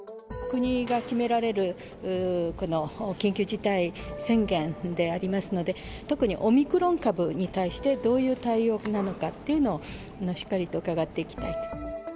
国が決められるこの緊急事態宣言でありますので、特にオミクロン株に対してどういう対応なのかというのを、しっかりと伺っていきたい。